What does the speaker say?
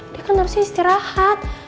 dia kan harus istirahat